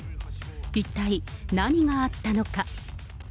一体、何があったのか。